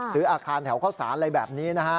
ซื้ออาคารแถวเข้าสารอะไรแบบนี้นะฮะ